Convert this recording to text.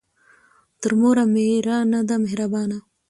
ـ تر موره مېره ،نه ده مهربانه.